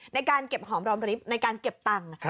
ในการเก็บของบริษฐ์ในการเก็บตังค์